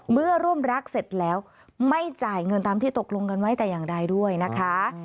เมื่อร่วมรักเสร็จแล้วไม่จ่ายเงินตามที่ตกลงกันไว้แต่อย่างใดด้วยนะคะ